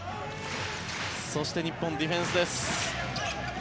そして日本ディフェンスです。